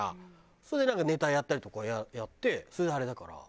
それでなんかネタやったりとかやってそれであれだから。